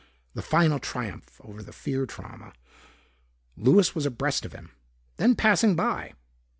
The final triumph over the fear trauma.... Louis was abreast of him, then passing by.